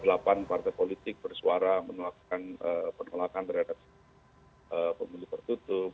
delapan partai politik bersuara menolakkan penolakan terhadap pemilu tertutup